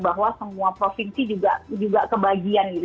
bahwa semua provinsi juga kebagian